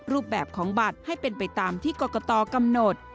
รูปแบบของบัตรให้เป็นไปตามที่กรกตกำหนด